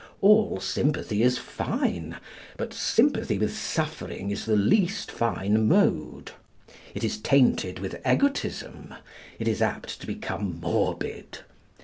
All sympathy is fine, but sympathy with suffering is the least fine mode. It is tainted with egotism. It is apt to become morbid.